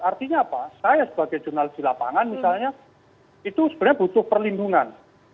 artinya apa saya sebagai jurnalis di lapangan misalnya itu sebenarnya butuh perlindungan